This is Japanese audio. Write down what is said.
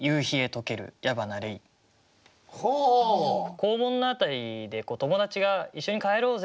校門の辺りで友達が「一緒に帰ろうぜ！」